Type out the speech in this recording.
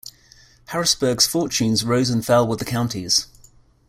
Harrisburg's fortunes rose and fell with the county's.